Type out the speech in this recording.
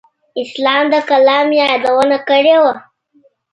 اسلام د قلم یادونه کړې وه.